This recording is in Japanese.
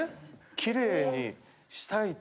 きれいにしたいと。